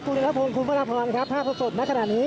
ครับคุณครับคุณพระพรรณครับถ้าสดณขนาดนี้